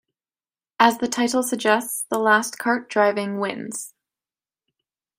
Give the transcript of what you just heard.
As the title suggests, the last kart driving wins.